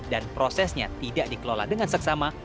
dan prosesnya tidak dikelola dengan seksama